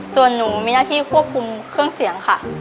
ส่วนหนูมีหน้าที่ควบคุมเครื่องเสียงค่ะ